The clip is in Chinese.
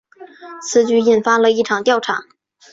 此举引发了一场调查。